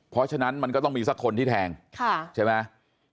เพราะฉะนั้นมันก็ต้องมีสักคนที่แทงใช่ไหม